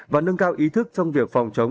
và nâng cao ý thức trong việc phòng chống